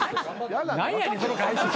何やねんその返し。